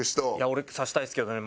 俺刺したいですけどね。